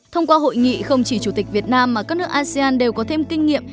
thông qua hội nghị không chỉ chủ tịch việt nam mà các nước asean đều có thêm kinh nghiệm